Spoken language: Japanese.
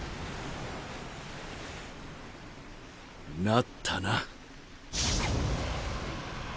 成ったな。